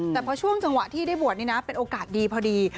แต่พอช่วงจังหวะที่ได้บวชนี่นะเป็นโอกาสดีพอดี